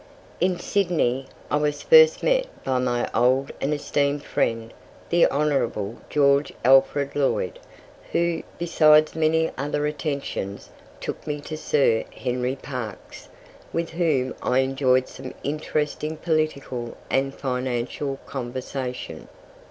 In Sydney I was first met by my old and esteemed friend the Honourable George Alfred Lloyd, who, besides many other attentions, took me to Sir Henry Parkes, with whom I enjoyed some interesting political and financial conversation.